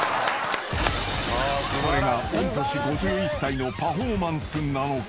［これが御年５１歳のパフォーマンスなのか］